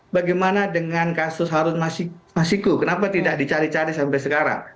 bagaimana dengan kasus harun masiku kenapa tidak dicari cari sampai sekarang